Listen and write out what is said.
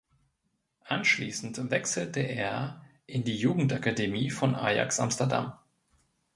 Anschließend wechselte er in die Jugendakademie von Ajax Amsterdam.